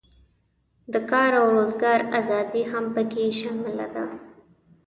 د کار او روزګار آزادي هم پکې شامله ده.